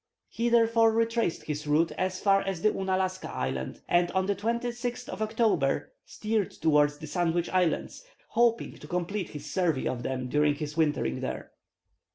He therefore retraced his route as far as Ounalaska Island, and on the 26th of October steered towards the Sandwich Islands, hoping to complete his survey of them during his wintering there.